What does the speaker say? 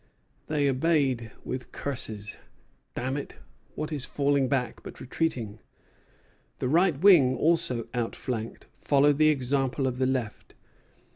They obeyed with curses: "Damn it, what is falling back but retreating?" The right wing, also outflanked, followed the example of the left.